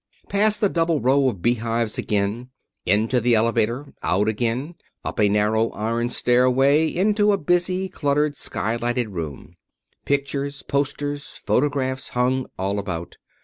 Past the double row of beehives again, into the elevator, out again, up a narrow iron stairway, into a busy, cluttered, skylighted room. Pictures, posters, photographs hung all about.